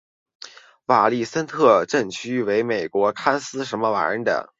瓦利森特镇区为美国堪萨斯州塞奇威克县辖下的镇区。